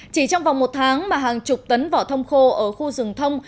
chỉ trong vòng một tháng mà hàng chục tấn vỏ thông khô ở khu rừng thông